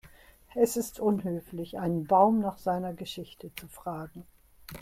Es ist unhöflich, einen Baum nach seiner Geschichte zu fragen.